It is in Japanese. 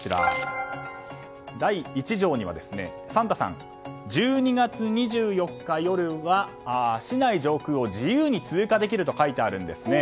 第１条には、サンタさん１２月２４日夜は市内上空を自由に通過できると書いてあるんです。